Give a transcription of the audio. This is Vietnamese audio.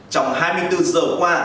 trong hai mươi bốn giờ qua